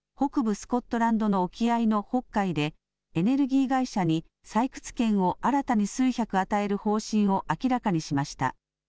スコットランドの沖合の北海でエネルギー会社に採掘権を新たに数百、与える方針を明らかにしました。